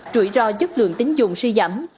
rủi ro chất lượng tính dùng suy giảm